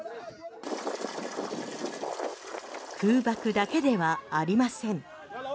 空爆だけではありません。